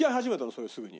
それすぐに。